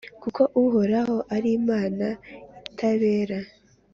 kuko Uhoraho ari Imana itabera: